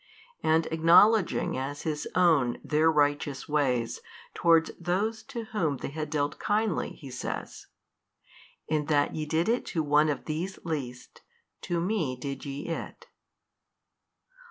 And |235 acknowledging as His own their righteous ways towards those to whom they had dealt kindly, He says, In that ye did it to one of these least, to Me did ye it.